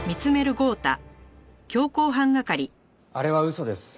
あれは嘘です。